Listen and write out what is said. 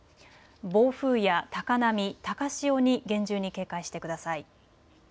暴風や高波、高潮に厳重に警戒してください。